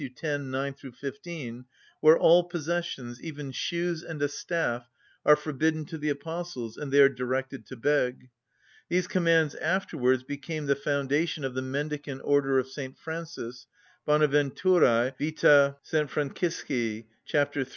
x. 9‐15, where all possessions, even shoes and a staff, are forbidden to the Apostles, and they are directed to beg. These commands afterwards became the foundation of the mendicant order of St. Francis (Bonaventuræ vita S. Francisci, c. 3).